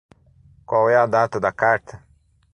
Qual é a data da carta?